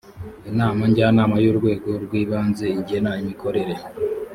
inama njyanama y urwego rw ibanze igena imikorere